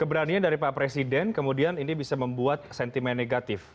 keberanian dari pak presiden kemudian ini bisa membuat sentimen negatif